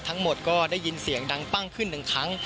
ทั้งหมดก็ได้ยินเสียงดังปั้งขึ้นหนึ่งครั้ง